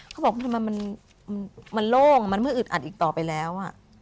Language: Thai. เขาบอกทำไมมันโล่งมันไม่อึดอัดอีกต่อไปแล้ว